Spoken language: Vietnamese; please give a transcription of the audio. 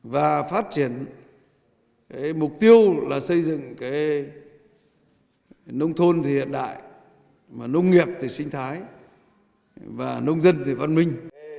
và phát triển mục tiêu là xây dựng nông thôn hiện đại nông nghiệp sinh thái và nông dân văn minh